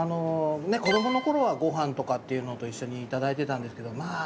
子どもの頃はご飯とかっていうのと一緒にいただいてたんですけどま